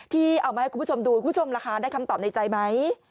ที่เอามาให้คุณผู้ชมดูคุณผู้ชมล่ะคะได้คำตอบในใจไหม